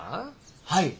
はい。